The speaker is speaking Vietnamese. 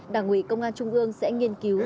đảng ủy công an trung ương sẽ nghiên cứu